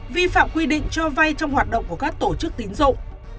vi phạm quy định cho vay trong hoạt động của các tổ chức tín dụng